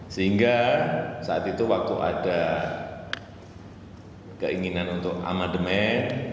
sehingga saat itu waktu ada keinginan untuk amandemen